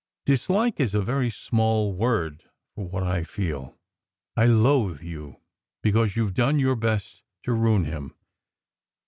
Dislike is a very small word for what I feel. I loathe you, because you ve done your best to ruin him.